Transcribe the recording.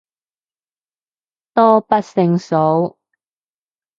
多不勝數